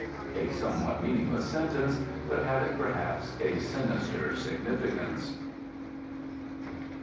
A somewhat meaningless sentence, but having, perhaps, a sinister significance."